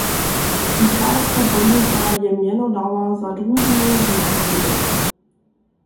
Italska poliwka je mjenodawar za družinu zmjerzliny!